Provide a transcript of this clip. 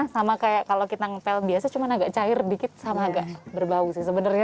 sama kayak kalau kita ngepel biasa cuma agak cair dikit sama agak berbau sih sebenarnya